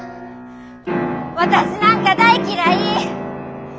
私なんか大嫌い！